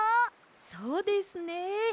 そうですね。